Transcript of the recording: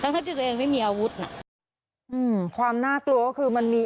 ของคนที่ถืออาวุธมีมาสามคนคันเดียว